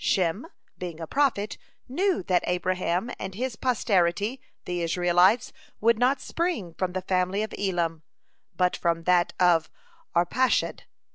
Shem, being a prophet, knew that Abraham and his posterity, the Israelites, would not spring from the family of Elam, but from that of Arpachshad.